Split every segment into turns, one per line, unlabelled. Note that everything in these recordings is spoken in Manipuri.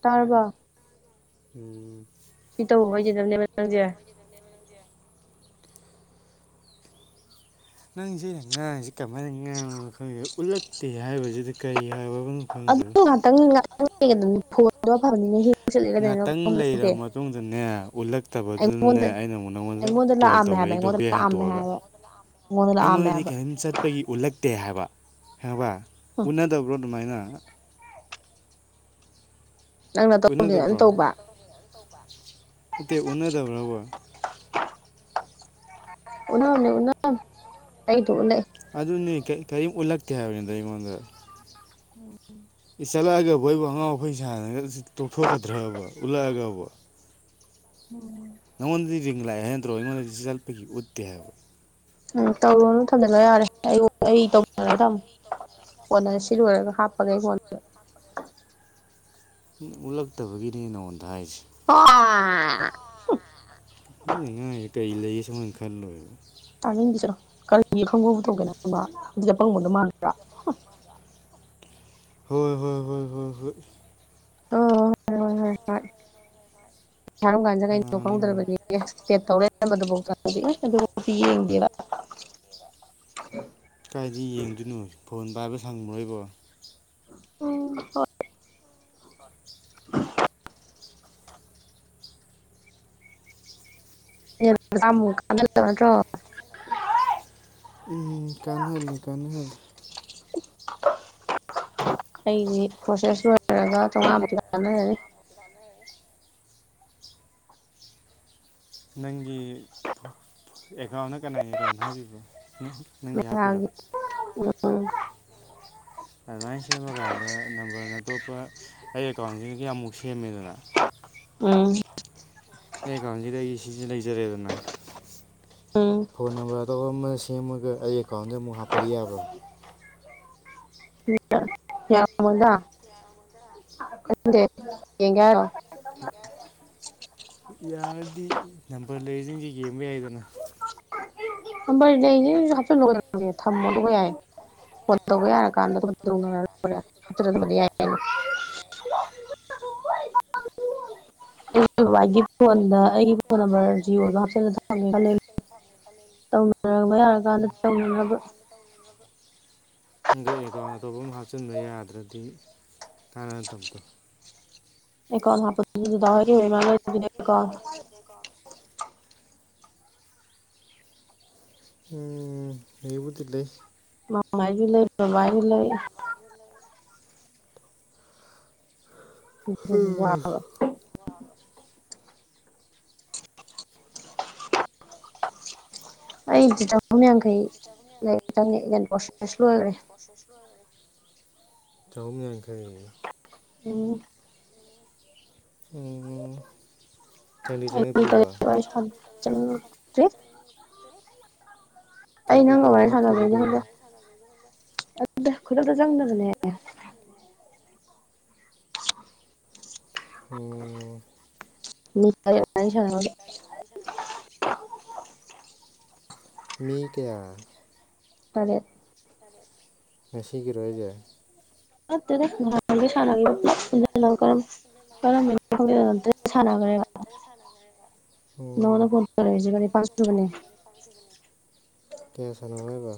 ꯇꯥꯔꯕꯣ
ꯎꯝ
ꯁꯤ ꯇꯧꯕ ꯍꯥꯏꯖꯗꯕꯅꯦꯕ ꯅꯪꯁꯦ꯫
ꯉꯪꯁꯤꯦ ꯉꯥꯥꯁ ꯀꯃꯥꯏꯅ ꯉꯥ ꯑꯩꯈꯣꯏ ꯎꯠꯂꯛꯇꯦ ꯍꯥꯏꯕꯁꯤꯗ ꯀꯔꯤ ꯍꯥꯏꯕ ꯈꯈꯪꯗ
ꯈꯤꯇꯪ ꯉꯥꯛꯇꯅꯤ ꯐꯣꯟꯗꯣ ꯑꯐꯕꯅꯤꯅ ꯍ
ꯉꯍꯥꯛꯇꯪ ꯂꯩꯔꯕ ꯃꯇꯨꯡꯗꯅꯦ ꯎꯠꯂꯛꯇꯕꯗꯨꯅꯅꯦ
ꯑꯩꯉꯣꯟꯗ
ꯑꯩꯅ ꯑꯃꯨꯛ ꯅꯪꯉꯣꯟꯗ
ꯑꯩꯉꯣꯟꯗ
ꯀꯣꯜ
ꯂꯥꯛꯑꯝꯃꯦ ꯍꯥꯏꯕ
ꯇꯧꯔꯛꯏꯗꯣ
ꯑꯩꯉꯣꯟꯗ
ꯕꯦꯛ
ꯂꯥꯛꯑꯝꯃꯦ
ꯍꯟꯇꯣꯛꯑꯒ
ꯍꯥꯏꯕ ꯑꯩꯉꯣꯟꯗ ꯂꯥꯛꯑꯝꯃꯦ
ꯑꯩꯉꯣꯟꯗꯗꯤ
ꯍꯥꯏꯕ
ꯀꯔꯤꯝ ꯆꯠ ꯑꯩꯒꯤ ꯎꯠꯂꯛꯇꯦ ꯍꯥꯏꯕ ꯍꯥꯏꯕ ꯎꯅꯗꯕ꯭ꯔꯣ ꯑꯗꯨꯃꯥꯏꯅ
ꯅꯪꯅ
ꯎꯅ
ꯇꯧꯗꯦꯅ ꯅꯪ
ꯇꯕ꯭ꯔꯣꯠꯇꯦ
ꯇꯧꯕ
ꯎꯅꯗꯕ꯭ꯔꯣꯕ
ꯎꯅꯅꯦ ꯎꯅꯅ ꯑꯩꯗꯤ ꯎꯅꯌꯦ꯫
ꯑꯗꯨꯅꯤ ꯀꯔꯤꯝ ꯎꯠꯂꯛꯀꯦ ꯍꯥꯏꯕꯅꯤꯗꯣ ꯑꯩꯉꯣꯟꯗ
ꯎꯝ
ꯑꯦ ꯆꯠꯂꯛꯑꯒꯕꯨ ꯑꯩꯕꯨ ꯑꯉꯥꯡ ꯐꯩ ꯁꯥꯟꯅꯒ ꯇꯣꯛꯊꯣꯛꯀꯗ꯭ꯔꯕ ꯎꯠꯂꯛꯑꯒꯕꯨ
ꯎꯝ
ꯅꯪꯣꯟꯗꯗꯤꯔꯤꯡ ꯂꯥꯏ ꯍꯥꯏ ꯅꯟ ꯇ꯭ꯔꯣ ꯑꯩꯉꯣꯟꯗꯗꯤ ꯁꯜꯄꯒꯤ ꯎꯠꯇꯦ ꯍꯥꯏꯕ
ꯎꯝ ꯇꯧꯔꯨ ꯃꯇꯝꯗ ꯂꯣꯏ ꯌꯥꯔꯦ ꯑꯩ ꯑꯩ ꯇꯧ ꯊꯝ ꯑꯣꯅꯅ ꯁꯤ ꯂꯣꯏꯔꯒ ꯍꯥꯞ
ꯎ ꯎꯠꯂꯛꯇꯕꯒꯤꯅꯦ ꯅꯉꯣꯟꯗ ꯍꯥꯏꯁꯦ꯫
[unintelligible]
ꯃꯤꯅ ꯉꯥꯡꯌꯦ ꯀꯔꯤ ꯂꯩ ꯁꯨꯃꯥꯏꯅ ꯈꯜꯂꯣꯏꯕ
ꯇꯥꯅꯤꯡꯗꯁꯤꯔꯣ ꯀꯔꯤꯒꯤ ꯐꯪꯕ ꯄꯨ ꯊꯣꯛꯣꯛꯀꯦꯅꯪ ꯑꯗꯨꯗ ꯐꯪꯕꯗ ꯃꯥꯟꯕ꯭ꯔꯥ
[unintelligible] ꯍꯣꯏ ꯍꯣꯏ ꯍꯣꯏ ꯍꯣꯏ ꯍꯣꯏ
ꯑꯣ ꯍꯣꯏ ꯊꯥꯔꯝ ꯀꯥꯟꯁꯤꯗ ꯀꯩꯅꯣ
ꯃꯥꯅꯤ ꯃꯥꯅꯤ
ꯀꯧꯗ꯭ꯔꯕꯅꯦ꯫ [unintelligible]
ꯀꯥꯏꯗ ꯌꯦꯡꯗꯣꯏꯅꯣ ꯐꯣꯟ ꯄꯥꯏꯕ ꯁꯪꯉꯨꯔꯣꯏꯕꯣ꯫
ꯎꯝ ꯍꯣꯏ ꯫
ꯍꯠ
[inaudible] ꯇꯃꯨ ꯀꯥꯟꯗ ꯅꯠꯇ꯭ꯔꯣ?
ꯎꯝ ꯀꯥꯟꯍꯂꯅꯤ ꯀꯥꯟꯍꯜꯂꯤ꯫
[inaudible] ꯑꯩꯁꯤ ꯄ꯭ꯔꯣꯁꯦꯁ ꯂꯣꯏꯔꯒ ꯆꯥꯝꯃꯉꯥ ꯇꯥꯅꯔꯦ
[unintelligible] ꯅꯪꯒꯤ ꯑꯦꯀꯥꯎꯟꯅ ꯀꯅꯥꯒꯤ ꯑꯦꯀꯥꯎꯟ ꯍꯥꯞꯄꯤꯕꯣ ꯅꯪꯒꯤ ꯍꯥꯞꯄꯤꯔꯣ
ꯃꯦꯒꯥꯒꯤ ꯎꯝ
ꯑꯗꯨꯃꯥꯏꯅ ꯁꯦꯝꯃꯀꯥꯟꯗ ꯅꯝꯕꯔꯅ ꯑꯇꯣꯞꯄ ꯑꯩ ꯑꯦꯀꯥꯎꯟꯁꯤꯡꯗꯨ ꯀꯌꯥꯃꯨꯛ ꯁꯦꯝꯃꯦꯗꯅ
ꯎꯝ
ꯑꯩ ꯑꯦꯀꯥꯎꯟꯁꯤꯗꯒꯤ ꯑꯩ ꯁꯤꯁꯦ ꯂꯩꯖꯔꯦꯗꯅ
ꯎꯝ
ꯐꯣꯟ ꯅꯝꯕꯔ ꯑꯇꯣ ꯁꯦꯝꯃꯒ ꯑꯩ ꯑꯦꯀꯥꯎꯟꯗ ꯑꯃꯨꯛ ꯍꯥꯞꯄꯗꯤ ꯌꯥꯕ꯭ꯔꯥ
ꯌꯥꯔꯝꯃꯣꯢꯗ ꯈꯪꯗꯦ ꯉꯦꯡꯒꯦ ꯍꯥꯢꯔꯣ
ꯌꯥꯔꯗꯤ ꯅꯝꯕꯔ ꯂꯩꯔꯤꯗꯤ ꯌꯦꯡꯕ ꯌꯥꯏꯗꯥꯅ
ꯅꯝꯕꯔ ꯂꯩꯅꯤ ꯍꯥꯞꯆꯤꯜꯂꯒꯒꯦ ꯊꯝꯃꯣ ꯑꯗꯨꯒ ꯌꯥꯏ ꯐꯣꯟ ꯇꯧꯕ ꯌꯥꯔꯀꯥꯟꯗ ꯑꯗꯨꯝ ꯇꯧꯔ ꯂꯣꯏꯔꯦ ꯥꯞꯆꯤꯟꯗꯕꯗꯤ ꯌꯥꯅꯤ [unintelligible] ꯕꯕꯥꯒꯤ ꯐꯣꯟꯗꯥ ꯑꯩꯒꯤ ꯐꯣꯟꯗ ꯑꯩꯒꯤ ꯐꯣꯟ ꯅꯝꯕꯔ ꯖꯤꯌꯣꯗꯣ ꯍꯥꯞꯆꯜꯂ ꯊꯝꯃꯣ ꯇꯧꯅꯔꯕ ꯌꯥꯔꯀꯥꯟꯗ ꯇꯧꯅꯅꯕ
ꯍꯟꯗꯛ ꯑꯦꯀꯥꯎꯟ ꯑꯇꯣꯞꯄ ꯑꯃ ꯍꯥꯞꯆꯤꯟꯕ ꯌꯥꯗ꯭ꯔꯗꯤ ꯀꯥꯟꯅꯗꯕꯗꯣ
ꯑꯦꯀꯣꯟ ꯍꯥꯞꯄꯗꯤ [unintelligible]
[unintelligible] ꯎꯝ ꯑꯩꯕꯨꯗꯤ ꯂꯩ
ꯃꯃꯥꯒꯤ ꯂꯩ ꯕꯕꯥꯒꯤ ꯂꯩ ꯑꯗꯨꯕꯨ ꯋꯥꯕ
ꯋꯥꯕ
ꯑꯩꯗꯤ ꯌꯥꯡꯈꯩ
ꯑꯩꯗꯤ ꯆꯥꯍꯨꯝ
ꯂꯩ
ꯌꯥꯡꯈꯩ
ꯆꯪꯉꯦ ꯄ꯭ꯔꯣꯁꯦꯁ ꯂꯣꯏꯈ꯭ꯔꯦ
ꯃꯔꯣꯁꯦꯁ ꯂꯩ ꯆꯥꯍꯨꯝ ꯌꯥꯡꯈꯩ
ꯎꯝ
ꯎꯝ ꯆꯪꯗꯤ
ꯑꯩ ꯀꯔꯤ
ꯆꯪꯉꯛꯗ꯭ꯔꯤꯕ
ꯋꯥꯔꯤ ꯆꯪꯉꯛꯇ꯭ꯔꯤ ꯑꯩ
ꯀꯔꯤ
ꯅꯪꯒ
ꯑꯦꯀꯥꯎꯟ
ꯋꯥꯔꯤ
ꯍꯥꯞꯇ꯭ꯔꯤꯕ
ꯁꯥꯟꯅꯕꯩ
ꯀꯩꯅꯣ
ꯈꯨꯗꯛꯇꯥ ꯆꯪꯗꯕꯅꯦ
ꯎꯝ ꯑꯣ
[unintelligible]
[inaudible] ꯃꯤ ꯀꯌꯥ
ꯇꯔꯦꯠ
ꯉꯁꯤꯒꯤꯔꯣ ꯍꯥꯢꯖꯦ
ꯅꯠꯇꯦꯗ ꯅꯍꯥꯟꯒꯩ ꯁꯥꯟꯅꯒꯤꯕ [unintelligible] ꯈꯪꯗꯦ [unintelligible] ꯁꯥꯟꯅꯒ꯭ꯔꯦꯕ꯫
ꯁꯥꯅꯗ꯭ꯔꯦꯕ
ꯅꯉꯣꯟꯗ ꯐꯣꯟ ꯇꯧꯔꯤꯁꯤꯒ ꯅꯤꯄꯥꯜ ꯁꯨꯕꯅꯦ
ꯀꯌꯥ ꯁꯥꯅꯧ ꯍꯥꯏꯕ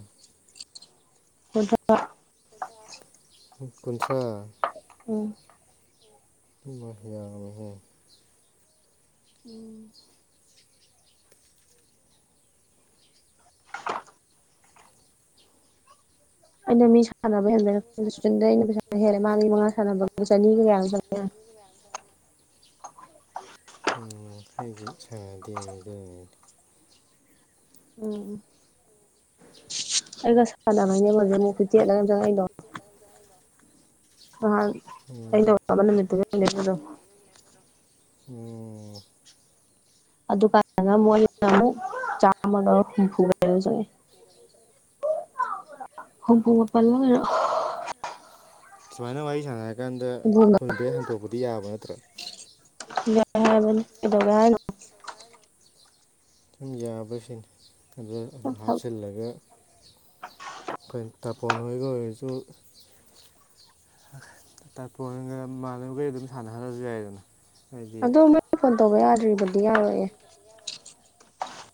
ꯀꯨꯟꯊ꯭ꯔꯥ
ꯀꯨꯟꯊ꯭ꯔꯥ
ꯎꯝ
[unintelligible] ꯌꯥꯝꯃꯦꯍꯦ
[unintelligible] ꯑꯩꯅ ꯃꯤ ꯁꯅꯕ ꯍꯦꯟꯕꯗ ꯑꯩꯅ ꯄꯩꯁꯥ ꯍꯦꯜꯂꯦ ꯃꯥꯒꯤ ꯃꯉꯥ ꯁꯥꯟꯅꯕ ꯆꯅꯤꯒꯌꯥꯅ
ꯆꯅꯤꯒ [unintelligible] ꯎꯝ ꯑꯩꯁꯨ ꯁꯥꯟꯅꯗꯦꯅꯦ ꯑꯗꯨꯅꯤꯅꯦ
ꯎꯝ ꯑꯩꯒ ꯁꯥꯟꯅ ꯕꯩꯅꯦꯕ ꯍꯧꯖꯤꯛ ꯑꯃꯨꯛ ꯐꯤꯚꯇꯤ ꯑꯩꯠꯂ ꯀꯩꯅꯣꯝ ꯆꯪꯉꯛꯏꯗꯣ
[unintelligible]
ꯅꯍꯥꯟ ꯑꯩ
ꯎꯝ
[unintelligible]
ꯎꯝ꯫ ꯑꯣ꯫
ꯑꯗꯨꯀꯥꯢ ꯑꯉ ꯃꯣꯏ ꯅ ꯃꯨꯛ ꯆꯥꯃꯒ ꯍꯨꯝꯐꯨꯃꯨꯛ ꯆꯉꯛꯑꯦ꯫ ꯍꯨꯝꯕꯨ ꯄꯜꯂ ꯒꯩꯅꯣ꯫
ꯁꯨꯃꯥꯏꯅ ꯋꯥꯔꯤ ꯁꯥꯟꯅꯔ ꯀꯥꯟꯗ
ꯍꯨꯝꯐꯨꯒ
ꯐꯨꯜ ꯕꯦꯛ ꯍꯟꯗꯣꯛꯄꯗꯤ ꯌꯥꯕ ꯅꯠꯇ꯭ꯔꯣ꯫
ꯌꯥꯢ ꯍꯥꯏꯕꯅꯦ ꯀꯩꯗꯧꯔꯦ ꯍꯥꯏꯅꯣ꯫
ꯌꯥꯕꯁꯤꯅꯤ ꯑꯗꯨꯝ ꯍꯥꯞꯆꯤꯜꯂꯒ꯫ ꯈꯣꯏ ꯇꯥꯄꯣꯟ ꯑꯣꯏꯒ ꯑꯣꯏꯔꯁꯨ꯫ ꯇꯄꯣꯟꯒ ꯃꯗꯕꯤ ꯑꯗꯨꯝ ꯁꯥꯟꯅꯍꯜꯂꯁꯨ ꯌꯥꯏꯗꯅ꯫ ꯍꯥꯏꯗꯤ
ꯑꯗꯣ ꯃꯣꯏꯅ ꯐꯣꯟ ꯇꯧꯕ ꯌꯥꯗ꯭ꯔꯤꯕꯗꯤ ꯌꯥꯔꯣꯢꯌꯦ꯫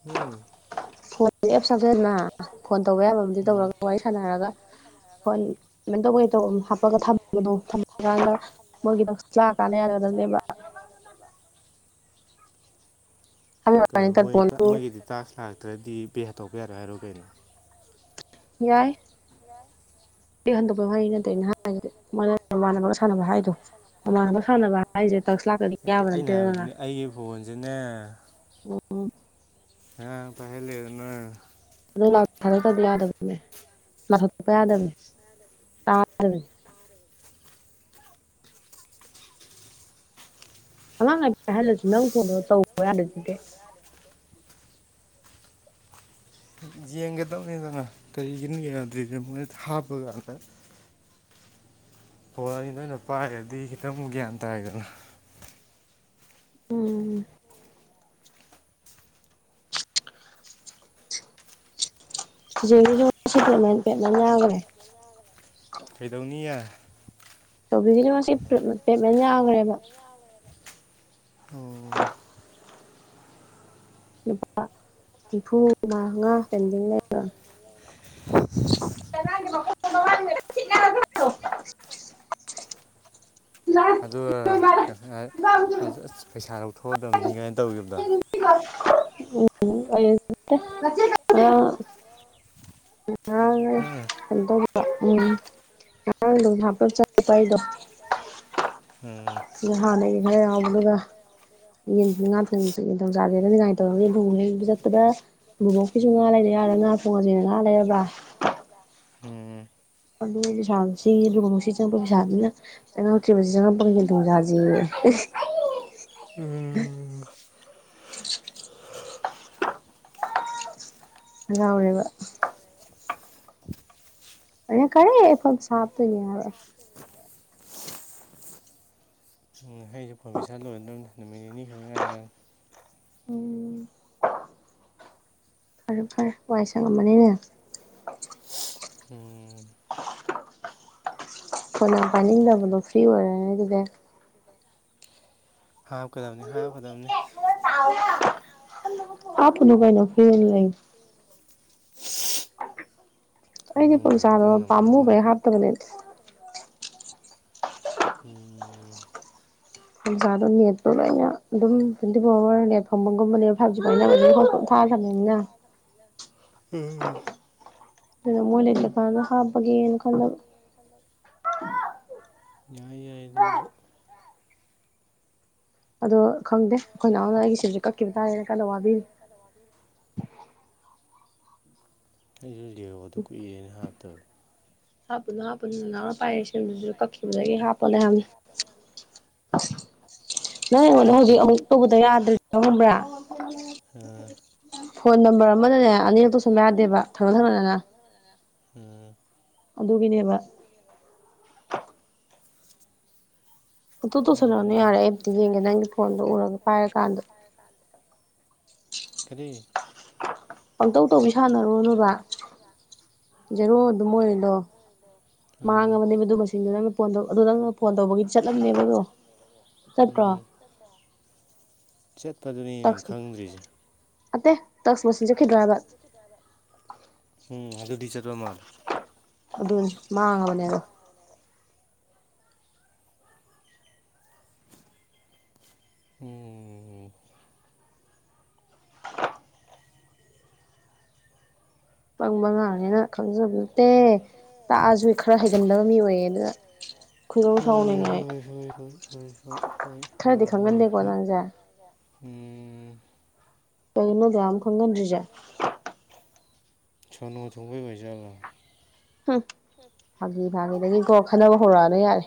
ꯎꯝ꯫
ꯐꯣꯟ ꯑꯦꯞ ꯆꯖꯗꯅ ꯐꯣꯟ ꯇꯧꯕ ꯌꯥꯕ ꯑꯃꯗꯤ
ꯎꯝ
ꯇꯧꯔꯒ ꯋꯥꯔꯤ ꯁꯥꯟꯅꯔꯒ꯫ ꯐꯣꯟ [unintelligible] ꯍꯥꯞꯄꯒ ꯊꯝꯕꯗꯣ ꯊꯝꯃꯀꯥꯟꯗ꯫ ꯃꯣꯏꯒꯤꯗ [unintelligible] ꯀꯥꯟꯅ ꯌꯥꯅꯗꯝꯅꯦꯕ꯫ ꯍꯥꯏꯕꯩ
ꯀꯩꯅꯣ
ꯋꯥꯅꯤ
ꯃꯣꯏ ꯇꯥ
ꯇꯠꯐꯣꯟꯗꯨ
ꯃꯣꯏꯒꯤꯗꯤ ꯇꯥꯛꯁ ꯂꯥꯛꯇ꯭ꯔꯗꯤ ꯄꯦ ꯇꯧꯕ ꯌꯥꯔꯣꯏ ꯍꯥꯏꯔꯣ ꯀꯩꯅꯣ꯫
ꯌꯥꯏ꯫
ꯌꯥꯢ꯫
ꯍꯟꯗꯣꯛꯄꯩ ꯋꯥꯍꯩ ꯅꯠꯇꯩꯅ ꯍꯥꯏꯖꯤꯗꯤ ꯃꯃꯥꯟꯅꯕ ꯁꯥꯟꯅꯕ ꯍꯥꯏꯗꯣ ꯃꯃꯥꯟꯅꯕ ꯁꯥꯟꯅꯕ ꯍꯥꯢꯖꯦ ꯇꯥꯛꯁ ꯂꯥꯛꯀꯗꯤ
ꯅꯠꯇꯦ
ꯌꯥꯕ
ꯑꯩꯅ
ꯅꯠꯇꯦꯗꯅ
ꯍꯥꯏꯕꯗꯤꯅꯦ ꯑꯩꯒꯤ ꯐꯣꯟꯁꯤꯅꯦ
ꯎ
ꯀꯅꯥꯅꯣ ꯄꯥꯢꯍꯜꯂꯛꯏꯗꯨꯅ꯫
ꯑꯗꯣ ꯂꯥꯎꯠ ꯊꯥꯗꯣꯛꯇꯗꯤ ꯌꯥꯗꯕꯅꯦ ꯂꯥꯠ ꯊꯗꯣꯛꯄ ꯌꯥꯗꯕꯅꯦ ꯇꯥꯗꯕꯅꯦ꯫ ꯑꯉꯥꯡ ꯍ [unintelligible] ꯜꯂꯁꯨ ꯅꯪ ꯐꯣꯟꯗꯣ ꯇꯧꯕ ꯌꯥꯔꯗꯗꯤ ꯀꯩ
ꯌꯦꯡꯒꯗꯕꯅꯤꯗꯅ ꯀꯔꯤꯒꯤꯅꯣ ꯌꯥꯗ꯭ꯔꯤꯁꯦ ꯃꯣꯏꯗ ꯍꯥꯞꯄꯒ ꯑꯝꯇꯪ ꯐꯣꯟ ꯑꯅꯤ ꯅꯣꯏꯅ ꯄꯥꯏꯔꯗꯤ ꯈꯤꯇꯪ ꯒ꯭ꯌꯥꯟ ꯇꯥꯏꯗꯅ꯫
ꯎꯝ꯫ ꯖꯤꯖꯦꯒꯤꯁꯨ ꯉꯁꯤ ꯄꯦꯃꯦꯟ ꯄꯦꯃꯦꯟꯠ ꯌꯥꯈꯔꯦ꯫
[inaudible] ꯀꯩꯗꯧꯅꯤ ꯌ°꯫
ꯇꯣꯕꯤꯒꯤ ꯅꯨ ꯉꯁꯤ ꯄꯦꯃꯦꯟ ꯌꯥꯈ꯭ꯔꯦꯕꯥ꯫ [unintelligible]
ꯑꯣ
[inaudible] ꯂꯨꯄꯥ, ꯅꯤꯐꯨ ꯃꯉꯥ ꯄꯦꯟꯗꯤꯡ ꯂꯩꯕ꯫ [unintelligible]
ꯑꯗꯨ ꯑꯥ ꯄꯩꯁꯥ ꯂꯧꯊꯣꯛꯑꯗꯕꯅꯤ ꯀꯥꯏꯅꯥ ꯇꯧꯈꯤꯕꯗꯣ꯫
ꯎꯝ ꯑꯩꯅꯥ ꯅꯠꯇꯦ ꯃꯥ
ꯍꯥꯍꯍ
ꯍꯟꯗꯧꯕꯥ ꯎꯝ ꯉꯔꯥꯡꯗꫭ ꯊꯕꯛ ꯆꯠꯄꯥ ꯑꯩꯗꯣ
ꯎꯝ
ꯑꯗꯨꯒꯥ ꯍꯥꯅꯥꯒꯤ ꯈꯔ ꯌꯥꯎꯕꯗꯨꯒ꯫ ꯌꯦꯟ ꯉꯥ ꯊꯏꯡꯕꯁꯨ ꯆꯥꯒꯦ ꯅꯥ ꯅꯤꯡꯉꯥꯏ ꯇꯧꯍꯧ ꯔꯤ ꯑꯗꯨꯨꯒꯤ ꯔꯩꯕꯥ ꯆꯠꯄꯗꯥ ꯕꯕꯣꯛꯀꯤꯁꯨ ꯉꯥ ꯂꯩꯅ ꯌꯥꯔꯦ ꯉꯥ ꯐꯣꯡꯉꯁꯤꯅꯥ ꯉꯥ ꯂꯩꯔꯕꯥ꯫
ꯎꯝ꯫
ꯑꯗꯨ ꯄꯩꯁꯥꯁꯤ ꯍꯤꯒꯤ ꯆꯪꯉꯛꯄꯥ ꯄꯁꯥꯜꯗꯨꯅ꯫ ꯆꯡꯉꯛꯇꯔꯤꯕꯥ ꯆꯪꯉꯛꯄꯥꯒꯥ ꯌ°ꯟ ꯊꫭꯡꯕꯥ ꯆꯥꯖꯥꯌ°
ꯎꯝꯝ ꯝ
ꯍꯥꯔꯥꯎꯔꯤꯕꯥ꯫ ꯑꯥꯅꯥ ꯀꯔꯤ ꯐꫭꯟ ꯄꯩꯁꯥ ꯍꯥꯞꯇꫭꯏꯅꯤ ꯍꯥꯏꯕꯥ
ꯍꯨꯝ ꯑꯩꯁꯨ ꯐꫭꯟ ꯄꯩꯁꯥ ꯂꯣꯏꯔꯗꯕꯅꯤ ꯅꯨꯃꯤꯠ ꯅꯤꯅꯤ ꯈꯔꯛ ꯉꯥꯏꯔ°꯫
ꯎꯝ ꯐꯔꯦ ꯐꯔꯦ ꯋꯥꯏ ꯁꯡꯉꯝꯃꯅꯤꯅꯦ
ꯎꯝ
ꯐꯣꯟ ꯌꯥꯝ ꯄꯥꯏꯅꯤꯡꯗꯕꯗꯣ ꯐ꯭ꯔꯤ ꯑꯣꯏꯔꯦꯅꯦ ꯑꯗꯨꯗꯤ
ꯍꯥꯞꯀꯗꯕꯅꯤ ꯍꯥꯞꯀꯗꯕꯅꯤ꯫
ꯍꯥꯎꯎ ꯍꯥꯞꯄꯨꯅꯨ ꯀꯩꯅꫭ ꯐꯔꯤꯗꯥ ꯂꯩ [inaudible] ꯑꯩꯗꯤ
ꯇꯥꯅꯤꯡꯗ꯭ꯔꯕ
ꯄꯩꯁꯥꯗꫭ
ꯅꯪꯅ ꯃꯔꯨ
ꯄꯝꯃꯨꯕꯩ
ꯑꯣꯏꯅ
ꯍꯥꯞ ꯇꯕꯅꯦ
ꯎꯝ
ꯐꫭꯟ ꯄꯩꯁꯥꯗꫭ ꯅꯦꯠꯇꯨ ꯂꯣꯏꯅ ꯑꯗꯨꯝ ꯇꯣꯏꯟꯇꯤ ꯐꯣꯔ ꯑꯥꯋꯔ ꯅꯦꯠ ꯐꯪꯕꯒꯨꯝꯕꯅꯦ ꯐꯥꯏꯚ ꯖꯤ ꯄꯥꯏꯅꯕꯅꯤꯅ ꯍꯣꯠꯁꯄꯣꯠ ꯑꯗꯨꯝ ꯊꯥꯒꯔꯒ ꯊꯝꯕꯅꯤꯅ
ꯎꯝ
ꯑꯗꯨꯗ ꯃꯣꯏ ꯂꯩꯇ꯭ꯔꯀꯥꯟꯗ ꯍꯞꯄꯒꯦꯅ ꯈꯟꯂꯕ
ꯌꯥꯏ ꯌꯥꯏ ꯑꯗꯨꯃꯁꯨ
ꯑꯗꯣ ꯈꯪꯗꯦ ꯑꯩꯈꯣꯏ ꯅꯥꯎꯅ ꯑꯩꯒꯤ ꯁꯤꯝꯁꯦ ꯀꯛꯈꯤꯕ ꯇꯥꯔꯦꯅ ꯀꯟꯅ ꯋꯥꯕꯤꯔꯤ꯫
ꯑꯩꯁꯨ ꯖꯤꯑꫭꯗꯨ ꯀꯨꯏꯔꯦ ꯅ° ꯍꯥꯞꯇꯕ꯫
ꯍꯥꯞꯄꯨꯅꯨ ꯍꯥꯞꯄꯨꯅꯨ ꯅꯅꯥꯎꯅ ꯄꯥꯏꯔꯤ ꯁꯤꯝꯗꯨꯁꯨ ꯀꯛꯈꯤꯕꯗꯒꯤ ꯍꯥꯞꯄꯅꯦ ꯍꯥꯏꯕꯅꯦ꯫ ꯅꯪ ꯑꯩꯉꯣꯟꯗ ꯍꯧꯖꯤꯛ
ꯀꯛꯈꯤꯕꯗꯩ
ꯑꯃꯨꯛ ꯇꯧꯕꯗ ꯌꯥꯗ꯭ꯔꯤꯗꯨ ꯈꯪꯕ꯭ꯔꯥ
ꯑ
ꯐꯣꯟ ꯅꯝꯕꯔ ꯑꯃꯗꯅꯦ ꯑꯅꯤꯔꯛ ꯇꯧꯁꯤꯟꯕꯥ ꯌꯥꯗꯦꯕꯥ ꯊꯪꯅ ꯊꯪꯅꯅ
ꯎꯝꯝ
ꯑꯗꯨꯒꯤꯅꯦꯕꯥ꯫ ꯄꯪꯇꯧ ꯇꯧꯁꯜꯂꯛꯑꯅꯨ
ꯎꯝ
ꯌꯥꯔꯦ ꯑꯩ ꯑꯝꯇ ꯌꯦꯡꯒꯦ ꯅꯪꯒꯤ ꯐꯣꯟꯗꯣ ꯎꯔꯒ ꯄꯥꯏꯔꯀꯥꯟꯗ꯫ [unintelligible] [inaudible]
ꯀꯔꯤ꯫
ꯄꯪꯇꯧ ꯇꯧꯕꯤ ꯁꯥꯟꯅꯔꯨꯔꯅꯨꯕꯥ ꯖꯦꯔꯣ ꯑꯗꯨꯝ ꯑꯣꯏꯔꯤꯗꯣ꯫
ꯑꯥ
ꯃꯥꯡꯉꯕꯥꯅꯦꯕꯥ ꯑꯗꯨ ꯃꯁꯤꯡꯗꯨ ꯅꯪꯅ ꯐꯣꯟꯗꫭ ꯑꯗꯣ ꯅꯪꯅ ꯐꯣꯟ ꯇꯧꯕꯒꯤ ꯆꯠꯂꯝꯅꯤꯕꯗꯣ꯫ ꯆꯠꯄ꯭ꯔꯣ꯫
ꯎꯝ ꯆꯠꯄꯗꯨꯅꯤ ꯅꯦ ꯑꯩꯅꯥ
ꯇꯛꯁ
ꯈꯪꯗ꯭ꯔꯤꯁꯦ꯫
ꯅꯠꯇꯦ ꯇꯁ ꯃꯁꯤꯡ ꯆꯠꯈꯤꯗ꯭ꯔꯣ ꯍꯥꯏꯕ꯫
ꯎꯝ ꯑꯗꯨꯗꯤ ꯆꯠꯄꯥ ꯃꯥꯟꯂꯦ꯫
ꯑꯗꯨꯅꯤ ꯃꯥꯡꯉꯕꯅꯦ ꯑꯗꯣ꯫
ꯎꯝ
ꯄꯪꯕ ꯑꯉꯥꯡꯅꯤꯅ ꯈꯪꯖꯕ ꯅꯠꯇꯦ ꯇꯥꯛꯑꯁꯨ ꯈꯔ ꯍꯩꯒꯟꯗꯕ ꯃꯤ ꯑꯣꯏꯌꯦ ꯑꯗꯨꯅ ꯈꯣꯏꯗꯧ
ꯍꯣꯏ
ꯁꯥꯎꯅꯤꯡꯉꯦ ꯑꯩ
ꯍꯣꯏ ꯍꯣꯏ ꯍꯣꯏ ꯍꯣꯏ ꯍꯣꯏ ꯍꯣꯏ
ꯈꯔꯗꯤ
ꯍꯣꯏ ꯍꯣꯏ
ꯈꯪꯒꯟꯗꯦꯀꯣ
ꯍꯣꯏ
ꯅꯪꯁꯦ
ꯎꯝ
ꯀꯩꯒꯤꯅꯣ ꯑꯗꯨꯛꯌꯥꯝ ꯈꯪꯒꯟꯗ꯭ꯔꯤꯖꯦ
ꯁꯣꯅꯣ ꯊꯨꯡꯕꯩ ꯑꯣꯏ ꯖꯥꯠꯂꯣ
ꯍꯝ ꯐꯥꯒꯤ ꯐꯥꯒꯤꯗꯒꯤꯀꯣ ꯈꯠꯅꯕ ꯍꯧꯔꯛ ꯑꯅꯨ ꯌꯥꯔꯦ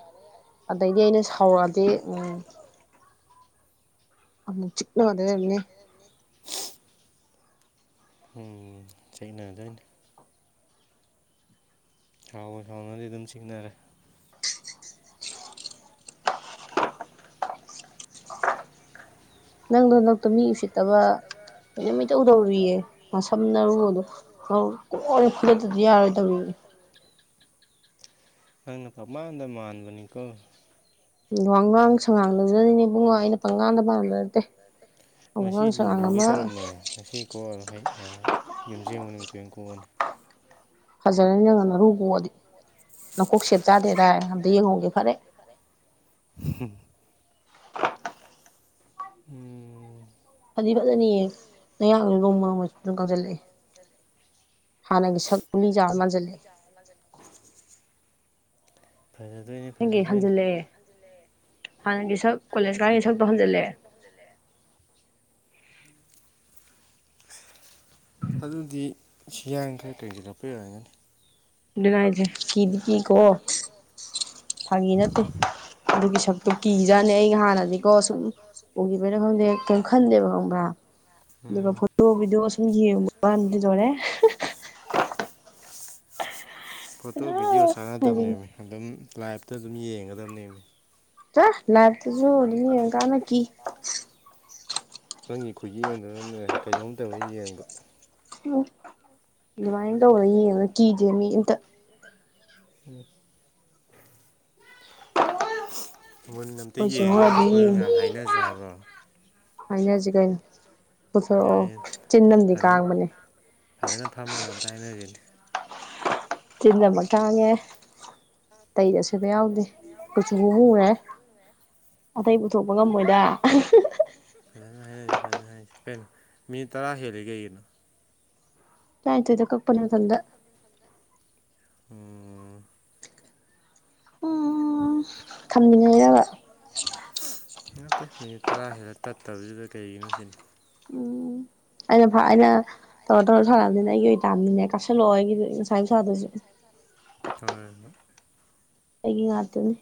ꯑꯗꯩꯗꯤ ꯑꯩꯅ ꯁꯥꯎꯔꯛꯑꯗꯤ ꯎꯝ ꯑꯃꯨꯛ ꯆꯤꯛꯅꯗꯣꯏ ꯑꯣꯏꯔꯝꯅꯤ
ꯅꯗꯣꯏꯅꯤ ꯁꯥꯎꯕꯨ ꯁꯥꯎꯅꯨꯍꯦ ꯑꯗꯨꯗꯤ ꯑꯗꯨꯝ ꯆꯤꯛꯅꯔꯦ
[inaudible] [unintelligible] ꯅꯪꯗꯣ ꯅꯛꯇꯣ ꯃꯤ ꯎꯁꯤꯠꯇꯕ ꯀꯩꯅꯣꯝꯃ ꯏꯇꯧ ꯇꯧꯔꯤꯌꯦ ꯅꯁꯝ ꯅꯔꯨꯗꯣ ꯑꯧ ꯀꯣꯏꯔ ꯐꯣꯏꯗꯠꯇꯗꯤ ꯌꯥꯔꯣꯏꯗꯧꯔꯤꯌꯦ
ꯅꯪꯅ ꯄꯥꯃꯥꯟꯗ ꯃꯥꯟꯕꯅꯤꯀꯣ
ꯋꯥꯉꯥꯡ ꯁꯪꯉꯥꯡꯗꯨꯅꯅꯤꯅꯦ ꯏꯕꯨꯡꯉꯣ ꯑꯩꯅ ꯄꯪꯉꯥꯡꯗ ꯉꯥꯡꯕ ꯅꯠꯇꯦ
ꯉꯁꯤ
ꯋꯥꯉꯥꯡ
ꯂꯨ
ꯁꯉꯥꯡ
ꯀꯣꯛ ꯀꯦ
ꯑꯃ
ꯇꯧꯔꯝꯕꯅꯦ ꯉꯁꯤ ꯀꯣꯛꯑꯔꯣꯏ ꯑ ꯌꯨꯝꯖꯦꯡꯕ ꯅꯨꯃꯤꯠꯇ ꯑꯣꯏꯅ ꯀꯣꯛꯑꯅꯤ
ꯐꯖꯔꯅꯤ ꯅꯪꯅ ꯅꯔꯨ ꯀꯣꯛꯑꯗꯤ ꯅꯀꯣꯛ ꯁꯦꯞ ꯆꯥꯗꯦꯗꯥꯏ ꯑꯝꯇ ꯌꯦꯡꯍꯧꯒꯦ ꯐꯔꯦ
ꯍꯨꯝ ꯎꯝ
ꯐꯗꯤ ꯐꯖꯅꯤꯌꯦ ꯅꯌꯥꯡꯖꯨ ꯅꯣꯡ ꯅꯣꯡꯃꯩ ꯁꯨꯝ ꯀꯪꯖꯜꯂꯛꯑꯦ ꯍꯥꯟꯅꯒꯤ ꯁꯛ ꯒꯨꯂꯤ ꯆꯥ ꯃꯥꯟꯖꯜꯂꯛꯑꯦ
ꯉꯥꯟꯖꯟ [inaudible] ꯐꯖꯗꯣꯏꯅꯦ
ꯅꯪꯒꯤ ꯍꯟꯖꯜꯂꯦ ꯍꯥꯟꯅꯒꯤ ꯁꯛ ꯀꯣꯂꯦꯖ ꯀꯥꯏꯒꯤ ꯁꯛꯇꯣ ꯍꯟꯖꯜꯂꯦ
ꯑꯗꯨꯗꯤ ꯏꯁ ꯌꯥꯡ ꯈꯔ ꯀꯪꯖꯜꯗꯂꯛꯄꯩ ꯑꯣꯏꯔꯝꯒꯅꯤ
ꯑꯗꯨꯅꯦ ꯍꯥꯏꯁꯦ ꯀꯤꯗꯤ ꯀꯤꯀꯣ ꯐꯥꯒꯤ ꯅꯠꯇꯦ ꯑꯗꯨꯒꯤ ꯁꯛꯇꯣ ꯀꯤꯖꯠꯅꯤ ꯑꯩ ꯍꯥꯟꯅꯗꯤꯀꯣ ꯁꯨꯝ ꯎꯒꯤꯕꯩꯔꯥ ꯈꯪꯗꯦ ꯀꯩꯝ ꯈꯟꯗꯦꯕ ꯈꯪꯕ꯭ꯔꯥ ꯑꯗꯨꯒ
ꯎꯝ
ꯐꯣꯇꯣ ꯚꯤꯗꯤꯑꯣ ꯁꯨꯝ ꯌꯦꯡꯕ ꯀꯟꯗꯤ ꯂꯣꯏꯔꯦ
ꯐꯣꯇꯣ ꯚꯤꯗꯤꯑꯣ ꯆꯥꯟꯅꯗꯅꯦꯃꯤ ꯑꯗꯨꯝ ꯂꯥꯏꯞꯇ ꯑꯗꯨꯝ ꯌꯦꯡꯒꯗꯕꯅꯦꯃꯤ
ꯆꯠꯂꯣꯍꯦ ꯂꯥꯏꯕꯇꯁꯨ ꯑꯗꯨꯝ ꯌꯦꯡꯀꯥꯟꯗ ꯀꯤ
ꯅꯪꯒꯤ ꯈꯨꯌꯦꯡꯗꯨꯅꯅꯦ ꯀꯩꯅꯣꯝ ꯇꯧꯔ ꯌꯦꯡꯕ
ꯎꯝ ꯑꯗꯨꯃꯥꯏꯅ ꯇꯧꯔ ꯌꯦꯡꯉꯒ ꯀꯤꯗꯦ ꯃꯤ ꯑꯝꯇ
ꯃꯨꯟꯅ ꯑꯝꯇ
ꯑꯩꯈꯣꯏ ꯆꯦ
ꯌꯦꯡꯉꯒ
ꯍꯣꯏꯗꯤ
ꯑꯁꯣꯏꯕ ꯃꯌꯥꯝ ꯍꯥꯏꯅꯖꯦ ꯍꯥꯏꯕ꯭ꯔꯣ
ꯍꯥꯏꯅꯖꯤ ꯀꯩꯅꯣ ꯄꯨꯊꯣꯔꯛꯑꯣ
ꯌꯥꯏꯌꯦ
ꯆꯤꯟ ꯑꯃꯗꯤ
ꯐꯖꯅ
ꯀꯥꯡꯕꯅꯦ
ꯐꯖꯅ ꯐꯝꯃꯒ ꯑꯝꯇ ꯍꯥꯏꯅꯖꯦ
ꯆꯤꯟ ꯑꯃ ꯀꯥꯡꯉꯦ ꯑꯇꯩ ꯑꯁꯣꯏꯕ ꯌꯥꯎꯗꯦ ꯀꯨꯆꯨ ꯑꯃ ꯃꯨꯔꯦ ꯑꯇꯩ ꯄꯨꯊꯣꯛꯄ ꯉꯝꯃꯣꯏꯗ
ꯐꯖꯅ ꯍꯥꯏꯅꯖꯦ ꯐꯖꯅ ꯍꯥꯏ ꯀꯩꯅꯣ ꯃꯤꯅꯠ ꯇꯔꯥ ꯍꯦꯜꯂꯦ ꯀꯩꯒꯤꯅꯣ
ꯇꯔꯥꯅꯤꯊꯣꯏꯗ ꯀꯛꯄꯅꯦ ꯃꯊꯟꯇ
ꯎꯝ
ꯎꯝ ꯎꯝ ꯊꯝꯅꯤꯡꯉꯤꯔꯕ
ꯅꯠꯇꯦ ꯃꯤꯅꯤꯠ ꯇꯔꯥ ꯍꯦꯜꯂ ꯇꯠꯇꯕꯁꯤꯗ ꯀꯩꯒꯤꯅꯣ ꯁꯤꯅꯤ
ꯎꯝ ꯑꯩꯅ ꯐ ꯑꯩꯅ ꯇꯧꯔ ꯇꯧꯔ ꯁꯥꯅꯕꯅꯤꯅ ꯑꯩꯒꯤ ꯑꯣꯏꯅ ꯌꯥꯝꯅꯤꯅꯦ ꯀꯥꯥꯞꯁꯤꯜꯂꯛꯑꯣ ꯑꯩꯒꯤ ꯉꯁꯥꯏ ꯑꯌꯨꯛ ꯁꯥꯗꯖꯨ
ꯍꯣꯏ ꯍꯣꯏ
ꯑꯩꯒꯤ ꯉꯥꯛꯇꯅꯤ